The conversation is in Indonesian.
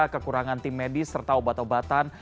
kekurangan tim medis serta obat obatan